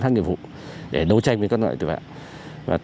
tranh với các loại tử vạn